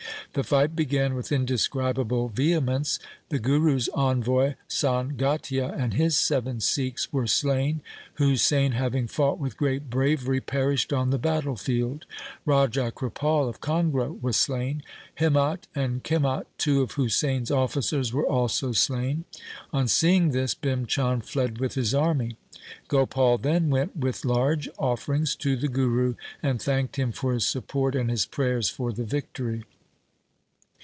The fight began with indescribable vehemence. The Guru's envoy Sangatia and his seven Sikhs were slain. Husain having fought with great bravery perished on the battle field. Raja Kripal of Kangra was slain. Himmat and Kimmat, two of Husain's officers, were also slain. On seeing this, Bhim Chand fled with his army. Gopal then went with large offerings to the Guru and thanked him for his support and his prayers for the victory.